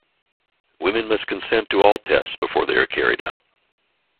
Women must consent to all tests before they are carried out.